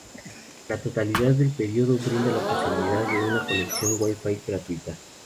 La totalidad del predio brinda la posibilidad de una conexión Wi-Fi gratuita.